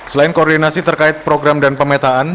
selain koordinasi terkait program dan pemetaan